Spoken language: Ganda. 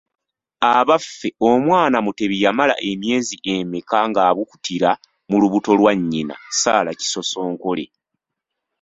Abaffe omwana Mutebi yamala emyezi emeka ng’abukutira mu lubuto lwa nnyina Sarah Kisosonkole?